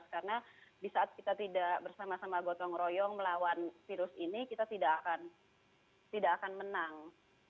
karena di saat kita tidak bersama sama gotong royong melawan virus ini kita tidak akan menang